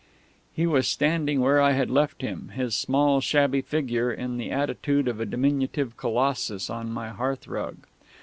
"_ He was standing where I had left him, his small shabby figure in the attitude of a diminutive colossus on my hearthrug.